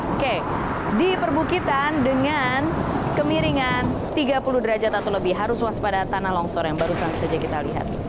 oke di perbukitan dengan kemiringan tiga puluh derajat atau lebih harus waspada tanah longsor yang barusan saja kita lihat